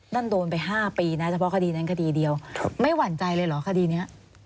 โดนไป๕ปีนะเฉพาะคดีนั้นคดีเดียวไม่หวั่นใจเลยเหรอคดีนี้